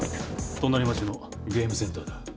隣町のゲームセンターだ。